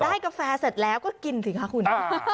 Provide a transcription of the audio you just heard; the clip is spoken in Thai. กาแฟเสร็จแล้วก็กินสิคะคุณ